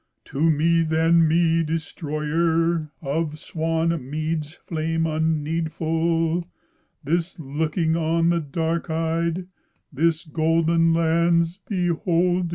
To me then, me destroyer Of swan mead's flame, unneedful This looking on the dark eyed, This golden land's beholding."